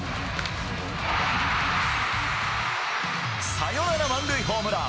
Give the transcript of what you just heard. サヨナラ満塁ホームラン！